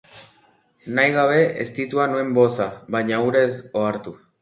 Nahi gabe eztitua nuen boza, baina hura ez ohartu.